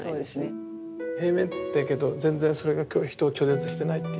平面だけど全然それが人を拒絶してないっていうか。